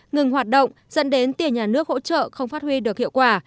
ngừng hoạt động dẫn đến tiền nhà nước hỗ trợ không phát huy được hiệu quả